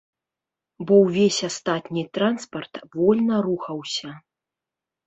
Бо ўвесь астатні транспарт вольна рухаўся.